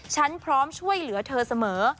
ฉันพร้อมช่วยเหลือเธอเสมอ